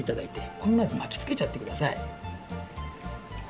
ここにまずまきつけちゃってください。